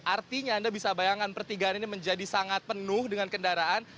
artinya anda bisa bayangkan pertigaan ini menjadi sangat penuh dengan kendaraan